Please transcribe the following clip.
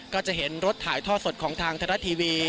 ก็จะเห็นรถถ่ายท่อสดของทางไทยรัฐทีวี